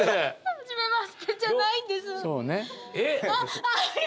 「はじめまして」じゃないんですえっ